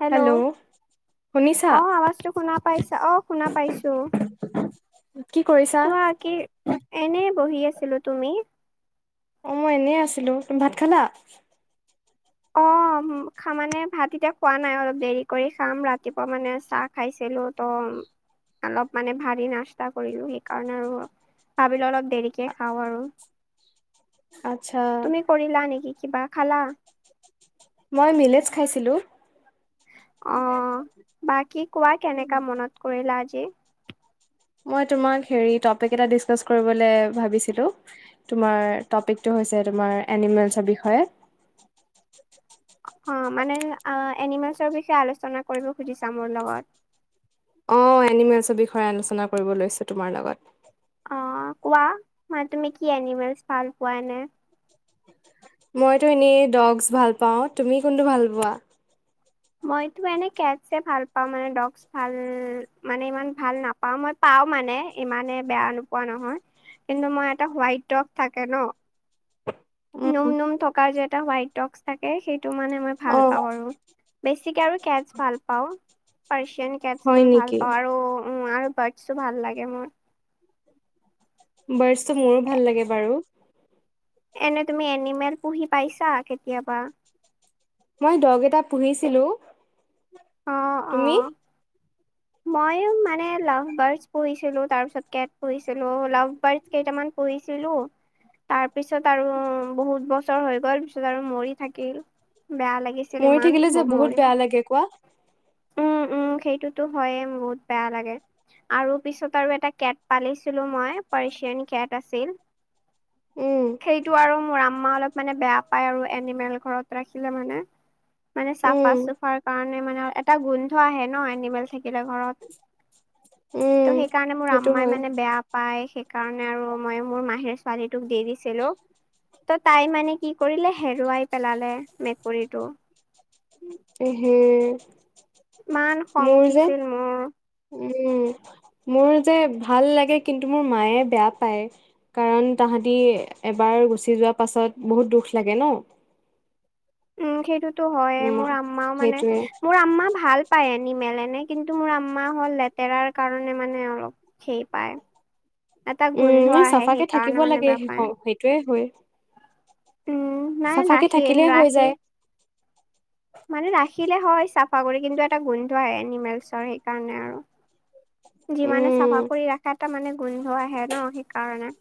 Hello শুনিছা অ' আৱাজটো শুনা পাইছা, অ' শুনা পাইছোঁ। কি কৰিছা। কি এনেই বহি আছিলো। তুমি? অ' মই এনেই আছিলো। তুমি ভাত খালা? অ। মানে ভাত এতিয়া খোৱা নাই, অলপ দেৰি কৰি খাম। ৰাতিপুৱা মানে চাহ খাইছিলো ত। অলপ মানে ভাৰি নাস্তা কৰিলোঁ সেইকাৰণে আৰু ভাবিলোঁ অলপ। দেৰিকে খাওঁ আৰু আত্ছা। তুমি কৰিলা নেকি? কিবা খালা? মই মিলেজ খাইছিলোঁ। অ' বাকী কোৱা কেনেকা মনত কৰিলা আজি। মই তোমাক হেৰি টপিক এ ডিচকাচ কৰিবলে ভাবিছিলোঁ। তোমাৰ টপিকটো হৈছে তোমাৰ এনিমেলছৰ বিষয়ে। অ' মানে এনিমেলছৰ বিষয়ে আলোচনা কৰিব খুজিছা মোৰ লগত। অ' এনিমেলছৰ বিষয়ে আলোচনা কৰিব লৈছোঁ তোমাৰ লগত। অ' কোৱা মই তুমি কি এনিমেলচ ভাল পোৱা এনে। মইতো এনেই ডগছ ভাল পাওঁ। তুমি কোনটো ভাল পোৱা? মইতো এনে কেটছে ভাল পাওঁ, মানে ডগছ ভাল মানে ইমান ভাল নাপাওঁ। মই পাওঁ মানে ইমানে বেয়া নোপোৱা নহয়। কিন্তু, মই এটা হোৱাইট ড'গ থাকে ন! উম নোম-নোম থকা যে এটা হোৱাইট ডগছ থাকে, সেইটো মানে মই ভাল অ পাওঁ আৰু বেছিকে আৰু কেটছ ভালপাওঁ। পাৰ্চিয়ান হয় কেটছবোৰ নেকি ভালপাওঁ আৰু ভাল লাগে মই [unintelligible] বাৰ্চটো মোৰো ভাল লাগে বাৰু! এনে তুমি এনিমেল পুহি পাইছা কেতিয়াবা? মই ড'গ এটা পুহিছিলো। তুমি? মইও মানে লাভ বাৰ্ডচ পুঢ়িছিলোঁ, তাৰ পিছত কেট পুঢ়িছিলো। লাভ বাৰ্ডচ কেইটামান পুঢ়িছিলোঁ, তাৰ পিছত আৰু উ। [unintelligible] বহুত বছৰ হৈ গ'ল পিছত আৰু মৰি থাকিল বেয়া লাগিছিল মৰি ইমান থাকিলে যে ব বহুত মৰি। বেয়া লাগে কোৱা। উ উ সেইটোতো হয়ে বহুত বেয়া লাগে। আৰু পিছত আৰু এটা কেট পালিছিলো মই, পাৰ্চিয়ান কেট আছিল। উম সেইটো আৰু মোৰ আম্মা অলপ। মানে বেয়া পায় আৰু এনিমেল ঘৰত ৰাখিলে মানে মানে উম চাফা-চুফাৰ কাৰণে। মে মানে এটা গোন্ধ আহে ন এনিমেল থাকিলে ঘৰত। উম ত' সেইকাৰণে মোৰ সেইটো আম্মাই হয় মানে বেয়া। পাই সেইকাৰণে আৰু মই মোৰ মাহিৰ ছোৱালীটোক দি দিছিলো। ত' তাই মানে কি কৰিলে হেৰুৱাই পেলালে মেকুৰীটো। এহে। ইমান খং উঠিছিল মোৰ। উম, মোৰ যে ভাল লাগে, কিন্তু মোৰ মায়ে বেয়া পায় কাৰণ তাহাঁতি এবাৰ গুচি যোৱাৰ পাছত বহুত দুখ লাগে ন। উম সেইটোতো হয়ে, উম মোৰ আম্মাও মানে, সেইটোয়ে মোৰ আম্মা ভাল পাই আনিমেল এনে, কিন্তু মোৰ আম্মা হ'ল লেতেৰাৰ কাৰণে মানে অলপ সেই পায়, এটা উম গোন্ধ আহে সেইকাৰণে মানে বেয়া পায়। সেইটোৱেই হয়। উম নাই চাফাকে ৰাখি থাকিলে হৈ ৰাখি যায়। মানে ৰাখিলে হয় চাফা কৰি, কিন্তু এটা গোন্ধ আহে এনিমেলছৰ সেইকাৰণে আৰু যিমানে উম চাফা কৰি ৰাখা এটা মানে গোন্ধ আহে ন সেইকাৰণে।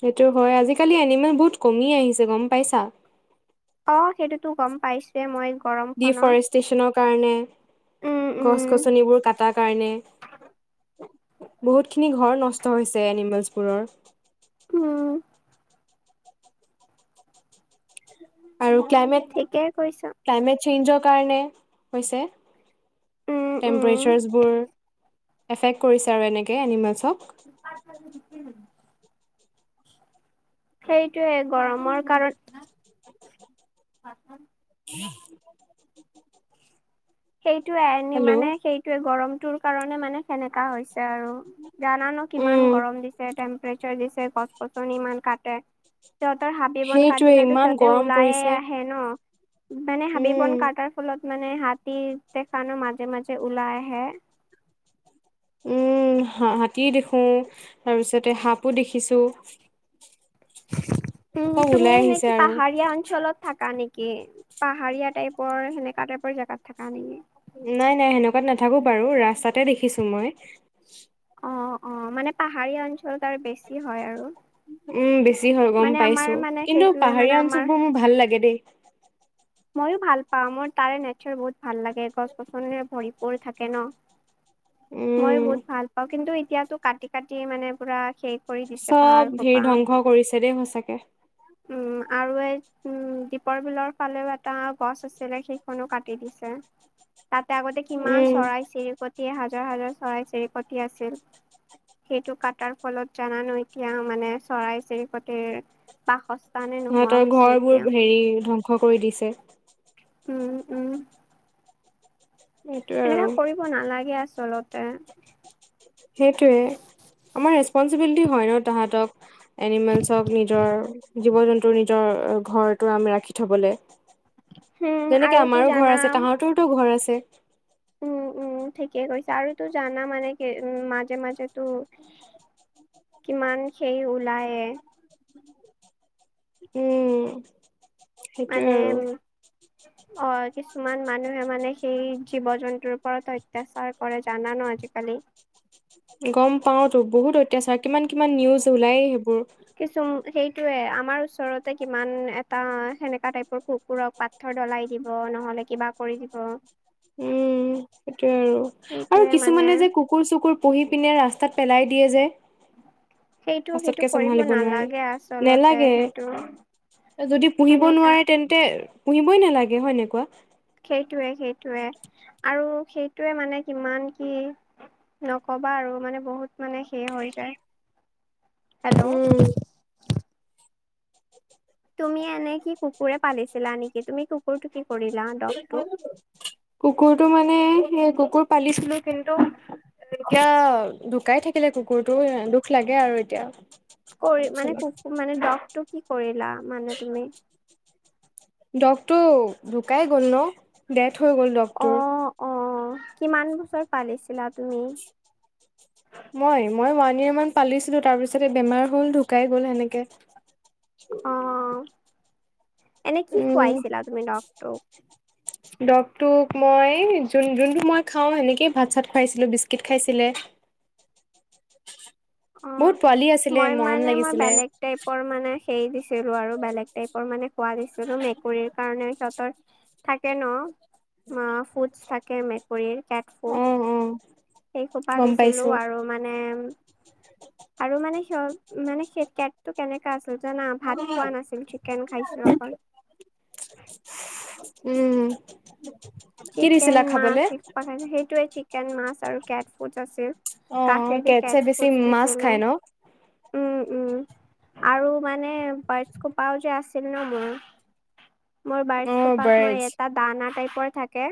সেইটো হয়, আজিকালি এনিমেল বহুত কমি আহিছে, গম পাইছা। অ', সেইটোতো গম পাইছোয়ে মই গৰমখনত। ষ্টেশচনৰ কাৰণে, উম উম গছ গছনি বোৰ কাটাৰ কাৰণে। বহুত খিনি ঘৰ নষ্ট হৈছে এনিমেলছবোৰৰ। উম। আৰু ক্লাইমেট, ঠিকেই কৈছ ক্লাইমেট চেঞ্জৰ কাৰণে হৈছে। উম উম টেম্পৰেচাৰ্চবোৰ, এফেক্ট কৰিছে আৰু এনেকে এনিমেলছক। সেইটোয়ে গৰমৰ কাৰণ [unintelligible] সেইটোৱে হেল্ল' মানে সেইটোয়ে গৰমটোৰ কাৰণে মানে সেনেকা হৈছে আৰু, জানা ন কিমান উম গৰম দিছে টেমপ প্ৰেচাৰ দিছে, গছ গছনি ইমান কাটে। সিহঁতৰ হাবি বন সেইটোৱে কাটিলেতো ইমান সিহঁতে গৰম ওলাইয়ে পৰিছে আহে ন, মানে হাবি উম বন কাটাৰ ফলত মানে হাত তি দেখা ন, মাজে মাজে ওলাই আহে। উম হ হাতী দেখোঁ, তাৰপিছতে সাপো দেখিছো। উম, চব তুমি ওলাই এনে আহিছে কি আৰু পাহাৰীয়া অঞ্চলত থাকা নে কি, পাহাৰীয়া টাইপৰ সেনেকা টাইপৰ জেগাত থাকা নেকি? নাই নাই, সেনেকুৱাত নাথাকো বাৰু ৰাস্তাতে দেখিছো মই। অ', অ', মানে পাহাৰীয়া অঞ্চলত আৰু বেছি হয় আৰু। উম বেছি হয় গম মানে আমাৰ পাইছো, মানে কিন্তু সেইটোয়ে মানে পাহাৰীয়া আমাৰ অঞ্চলবোৰ মোৰ ভাল লাগে দেই। মইো ভাল পাওঁ, মোৰ তাৰে নেচাৰ বহুত ভাল লাগে, গছ গছনে ভৰি পৰি থাকে ন। মই উম বহুত ভাল পাওঁ, কিন্তু এতিয়াতো কাটি কাটি মানে পুৰা শেষ। কৰি দিছে পাহাৰ চব হেৰি সোপা। ধ্বংস কৰিছে দেই সঁচাকে। উম, আৰু এই উম দ্বীপৰ বিলৰ ফালেও এটা গছ আছিলে, সেইখনো কাটি দিছে তাতে আগতে কিমান উম চৰাই চিৰি কতি হাজাৰ হাজাৰ চৰাই চিৰিকতি আছিল। সেইটো কাটাৰ ফলত জানা ন এতিয়া মানে চৰাই চিৰিকটিৰ, বাসস্থ সিহঁতৰ ঘৰ বোৰ হেৰি ধ্বংস কৰি দিছে। উম, উম। সেইটোৱে আৰু এনেকা কৰিব নালাগে আচলতে। সেইটোৱে, আমাৰ ৰেচপনচিবিলিটি হয় ন তাহাঁতক এনিমেলছক নিজৰ, জীৱ জন্তুৰ নিজৰ ঘৰ [unintelligible] ৰাখি থ'বলে, উম যেনেকে আৰু তো আমাৰো ঘৰ আছে, জানা তাঁহাতৰতো ঘৰ আছে। উম, উম, ঠিকেই কৈছা আৰুটো জানা মানে কি উম, মাজে মাজেতো কিমান সেই ওলায়ে। উম সেইটোয়ে মানে আৰু উম [inaudible] অ', কিছুমান মানুহে মানে সেই জীৱ জন্তুৰ ওপৰত অত্যাচাৰ কৰে জানান আজিকালি। গম পাওঁতো বহুত অত্যাচাৰ, কিমান কিমান নিউজ ওলাইয়ে সেইবোৰ। কিছুম সেইটোয়ে, আমাৰ ওচৰতে কিমান এটা সেনেকা টাইপৰ কুকুৰক পাত থৰ ডলাই দিব নহ'লে কিবা কৰি দিব। সেইটোয়ে আৰু, আৰু সেইটোয়ে মানে কিছুমানে যে কুকুৰ চুকুৰ পুহি পিনে ৰাস্তাত পেলাই দিয়ে যে। সেইটো সেইটো পাছতকে কৰিব চম্ভালিব নোৱাৰি, নালাগে আচলতে নেলাগে। সেইটো যদি পুহিব সেনেকা নোৱাৰে তেন্তে, পুহিবই নালাগে হয় নাই কোৱা? সেইটোৱে, সেইটোৱে আৰু সেইটোৱে মানে কিমান কি নক'বা আৰু মানে বহুত মানে সে হৈ যায়, হেল্ল'। তুমি এনে কি কুকুৰে পালিছিলা নেকি, তুমি কুকুৰটো কি কৰিলা, ডগটো? উম কুকুৰটো মানে, সেই কুকুৰ পালিছিলো কিন্তু এতিয়া ঢুকাই থাকিলে কুকুৰটো, দুখ লাগে আৰু এতিয়া। কৰি অলপ মানে চলপ কুকুৰ মানে দগটো কি কৰিলা, মানে তুমি? দগটো ঢুকাই গ'ল ন, ডেথ হৈ গ'ল ডগটোৰ। অ', অ', কিমান বছৰ পালিছিলা তুমি? মই, মই ওৱান ইয়েৰ মান পালিছিলো, তাৰপিছতে বেমাৰ হ'ল ঢুকাই গ'ল সেনেকে। অ', এনে কি খুৱাইছিলা তুমি ডগটোক? [inaudible] দগটোক মই যোন-যোনটো মই খাওঁ সেনেকেইে ভাত চাত খুৱাইছিলোঁ, বিস্কিট খাইছিলে। অ', বহুত পোৱালি আছিলে, মই মৰম মানে মই লাগিছিলে। বেলেগ টাইপৰ মানে সেই দিছিলো আৰু বেলেগ টাইপৰ মানে খোৱা দিছিলো, মেকুৰীৰ কাৰণেও সিহঁতৰ থাকে ন, অ ফুডচ থাকে মেকুৰীৰ, কেট অ ফুড। অ সেই সোপা গম দিছিলো পাইছো আৰু মানে আৰু মানে [unintelligible] মানে সেই কেটটো কেনেকা আছিল জানা, ভাত খোৱা নাছিল, চি কেন খাইছিল অকল। উম। কি দিছিলা চিকেন মাছ খাবলে সেইসোপা খাইছিল, সেইটোৱে, চিকেন মাছ আৰু কেটছ ফুডচ আছিল। অ গাখীৰ দি কেটছে কেটছ বেছি ফুডচ মাছ দিছিলো। খাই ন উম, উম আৰু মানে বাৰ্ডছ সোপাও যে আছিল ন মোৰ। মই অ বাৰ্ডচসোপাক মই বাৰ্ডছ এটা দানা টাইপৰ থাকে।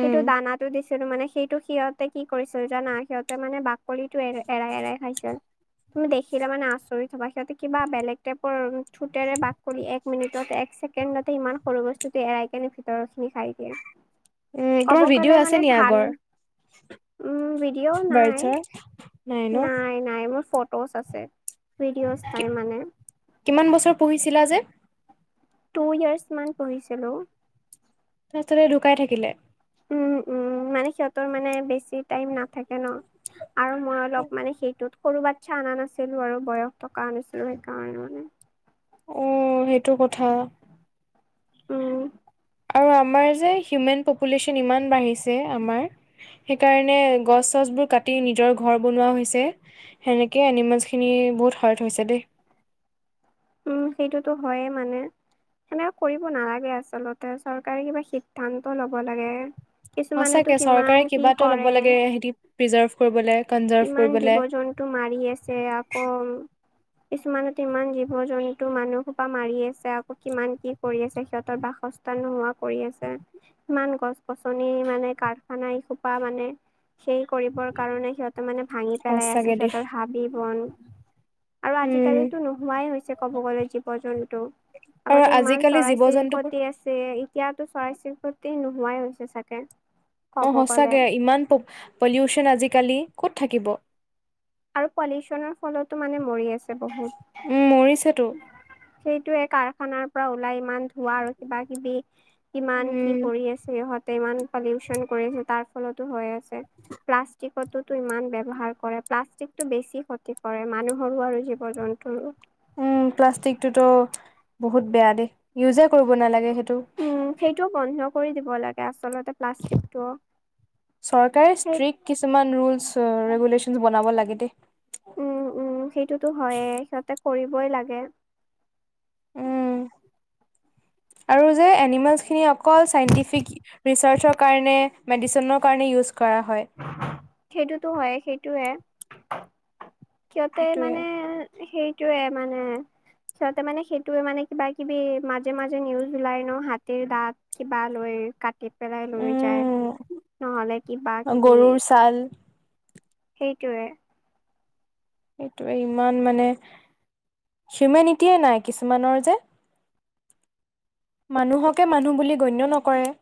উম দানাটো দিছিলো, মানে সেইটো সিহঁতে কি কৰিছিল জানা, সিহঁতে মানে বাক কলিটো এৰাই, এৰাই খাইছিল। তুমি দেখিলে মানে আচৰিত হ'বা, সিহঁতে কিবা বেলেগ টাইপৰ থুটেৰে বাকলি এক মিনিটত এক চে কেণ্ডতে ইমান সৰু বস্তুটো এৰাই কেনে ভিতৰখিনি খাই দিয়ে। উম ক'ব তোমাৰ গ'লে ভিডিঅ' আছে মানে নি ধান‌ আগৰ উম, ভিডিঅ' নাই, বাৰ্ডছৰ নাই। নাই মোৰ ফটোছ আছে, ভিডিঅ'চ নাই মানে। কিমান বছৰ পুহিছিলা যে? টু ইয়েৰ্চ মান পুহিছিলোঁ। [unintelligible] ঢুকাই থাকিলে। উম উম, মানে সিহঁতৰ মানে বেছি টাইম নাথাকে ন। আৰু মই অলপ মানে সেইটোত সৰু বাচ্ছা অনা নাছিলো আৰু, বয়স থকা নাছিলো সেইকাৰণে মানে। অ, সেইটো কথা। উম আৰু আমাৰ যে হিউমেন পপুলেশ্যন ইমান বাঢ়িছে, আমাৰ। সেইকাৰণে গছ-চছবোৰ কাটি নিজৰ ঘৰ বনোৱা হৈছে। সেনেকেই এনিমেলছখিনি বহুত হাৰ্ট হৈছে দেই। উম, সেইটোতো হয়য়ে মানে। সেনেকুৱা কৰিব নালাগে আচলতে, চৰকাৰে কিবা সিদ্ধান্ত ল'ব লাগে। কিছুমানেতো সঁচাকে কিমান চৰকাৰে কি কিবা এটা ল'ব কৰে, লাগে সিহঁতি প্ৰিজাৰ্ভ কৰিবলে কনজাৰ্ভ কিমান কৰিবলে জীৱ-জন্তু মাৰি আছে, আকৌ কিছুমানেটো ইমান জীৱ জীৱ-জন্তু, মানুহসোপা মাৰি আছে, আকৌ কিমান কি কৰি আছে, সিহঁতৰ বাসস্থান নোহোৱা কৰি আছে। ইমান গছ-গছনি মানে, কাৰখানা এই খোপা মানে সেই কৰিবৰ কাৰণে সিহঁত মানে ভাঙি পেলাই আছে সঁচাকে দেই সিহঁতৰ হাবি-বন, আৰু উম আজিকালিতো নোহোৱাই হৈছে ক'ব গ'লে জীৱ-জন্তু, আৰু আগতে ইমান আজিকালি জীৱ জন্তুবোৰ চৰাই-চিৰিকতি আছে এতিয়াতো চৰাই-চিৰিকতি নোহোৱাই হৈছে চাগে। অ, ক'ব গ'লে সচাকে ইমান প-পলিউচন আজিকালি ক'ত থাকিব! আৰু পলিউচনৰ ফলতো মানে মৰি আছে বহুত। উম মৰিছেতো সেইটোয়ে কাৰখানাৰ পৰা ওলাই ইমান ধোৱা আৰু কিবা-কিবি ইমান কি উম কৰি আছে ইহঁতে, ইমান পলিউচন কৰি আছে, তাৰ ফলতো হৈ আছে। প্লাষ্টিকটো টো ইমান ব্যৱহাৰ কৰে, প্লাছ ষ্টিক টো বেছি ক্ষতি কৰে, মানুহৰো আৰু জীৱ-জন্তুৰো। উম, প্লাষ্টিকটোতো বহুত বেয়া দে, ইউজে কৰিব নালাগে সেইটো। উম, সেইটো বন্ধ কৰি দিব লাগে, আচলতে প্লাষ্টিকটো। চৰকাৰে সেই ষ্ট্ৰিক্ট কিছুমান ৰোলছ-ৰেগুলেশ্যন বনাব লাগে দেই। উম, উম, সেইটোতো হয়য়ে, সিহঁতে কৰিবই লাগে উম, আৰু যে এনিমেলচ খিনি অকল চাইন্টিফিক ৰিচাৰ্চৰ কাৰণে, মেডিচিনৰ কাৰণে ইউজ কৰা হয়। সেইটোতো হয়েই, সেইটোয়ে। সিহতে সেইটোৱে মানে সেইটোৱে, মানে সিহঁতে মানে সেইটোৱে মানে কিবা-কিবি মাজে-মাজে নিউজ ওলাই ন, হাতীৰ দাঁত কিবা লৈ, কাটি পেলাই লৈ যায়, উম নহ'লে কিবা-কিবি গৰুৰ ছাল সেইটোৱে। সেইটোৱে, ইমান মানে হিউমেনিটিয়ে নাই কিছুমানৰ যে মানুহকে মানুহ বুলি গণ্য নকৰে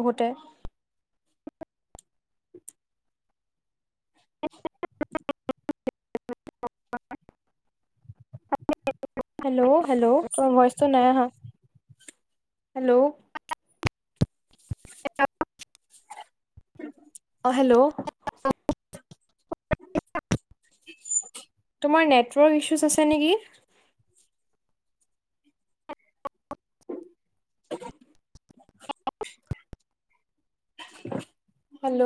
বহুতে। হেল্ল'! হেল্ল', তোমাৰ ভইচটো নাই অহা। হেল্ল'! [unintelligible] অ, হেল্ল'! তোমাৰ নেটৱৰ্ক ইছুজ আছে নেকি! [unintelligible] [unintelligible] হেল্ল'